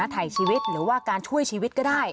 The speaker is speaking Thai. ถ่ายชีวิตหรือว่าการช่วยชีวิตก็ได้